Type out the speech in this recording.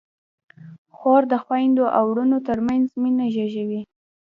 خور د خویندو او وروڼو ترمنځ مینه زېږوي.